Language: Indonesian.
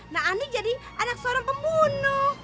nah ani jadi anak seorang pembunuh